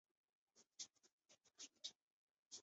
一家人都生活在恐惧之中